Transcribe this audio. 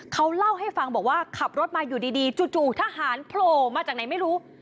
เขาเล่าให้ฟังบอกว่าขับรถมาอยู่ดีจู่ทหารโผล่มาจากไหนไม่รู้